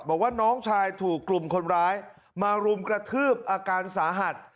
บอกว่าน้องชายถูกกลุ่มคนร้ายมารุมกระทืบอาการสาหัส